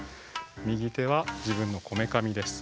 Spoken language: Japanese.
右手は自分のこめかみです。